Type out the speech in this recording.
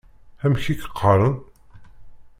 Amek i k-qqaren?